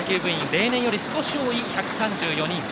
例年より少し多い１３４人。